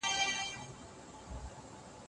پس انداز باید په مولدو برخو کي وکارول سي.